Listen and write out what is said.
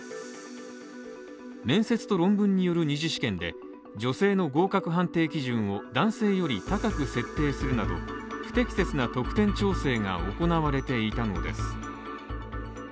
面接と論文による二次試験で、女性の合格判定基準を、男性より高く設定するなど不適切な得点調整が行われていたのです。